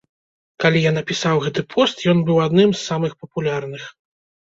Калі я напісаў гэты пост, ён быў адным з самых папулярных.